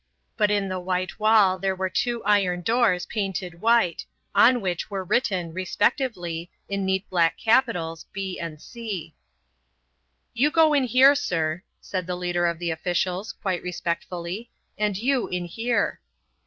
But in the white wall there were two iron doors painted white on which were written, respectively, in neat black capitals B and C. "You go in here, sir," said the leader of the officials, quite respectfully, "and you in here."